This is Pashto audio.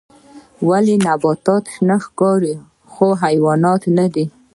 ولې نباتات شنه ښکاري خو حیوانات نه